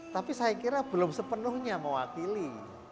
tapi saya kira belum sepenuhnya mewakili